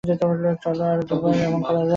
চলো আরো দুবার এমন করা যাক।